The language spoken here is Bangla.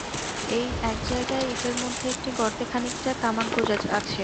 এক জায়গায় ইঁটের মধ্যে একটি গর্তে খানিকটা তামাক গোঁজা আছে।